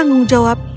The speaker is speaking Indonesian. semua tanggung jawab